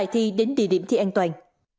tỉ điểm thi an toàn